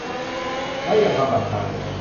และอย่าทำบัตรหาย